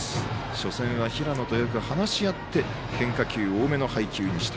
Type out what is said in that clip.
初戦は平野とよく話し合って変化球多めの配球にした。